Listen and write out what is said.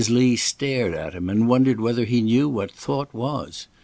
Lee stared at him and wondered whether he knew what thought was.